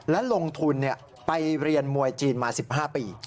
และลงทุนไปเรียนมวยจีนมา๑๕ปี